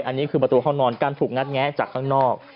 อันนี้คือประตูห้องนอนการถูกงัดแงะจากข้างนอก